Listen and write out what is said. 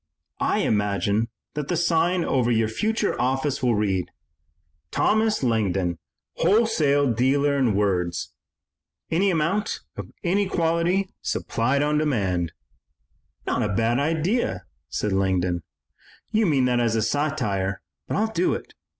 I imagine that the sign over your future office will read, 'Thomas Langdon, wholesale dealer in words. Any amount of any quality supplied on demand.'" "Not a bad idea," said Langdon. "You mean that as satire, but I'll do it.